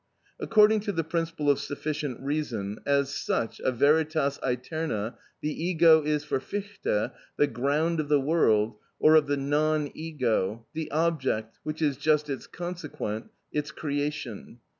According to the principle of sufficient reason, as such a veritas aeterna, the ego is for Fichte the ground of the world, or of the non ego, the object, which is just its consequent, its creation.